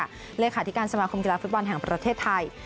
เลือกขาดธิกาณสมครมกีฟวิทยาลาภิพยาบาลประเทศไทย